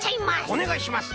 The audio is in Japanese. おねがいします！